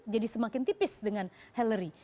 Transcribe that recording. jadi semakin tipis dengan hillary